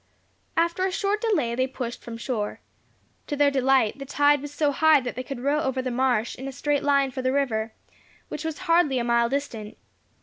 After a short delay they pushed from shore. To their delight, the tide was so high that they could row over the marsh in a straight line for the river, which was hardly a mile distant.